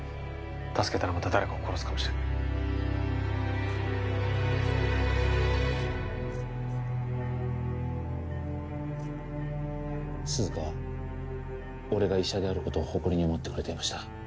助けたらまた誰かを殺すかもしれない涼香は俺が医者であることを誇りに思ってくれていました